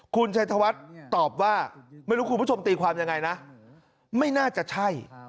คุณชัยธวัฒน์ตอบว่าไม่รู้คุณผู้ชมตีความยังไงนะ